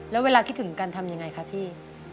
แล้วเวลาคิดถึงการทำยังไงคะพี่